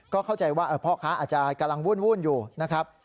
เข้าใจว่าพ่อค้าอาจจะกำลังวุ่นอยู่นะครับ